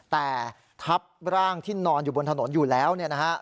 แต่ทับร่างที่นอนอยู่บนถนนอยู่แล้วเนี่ยนะฮะ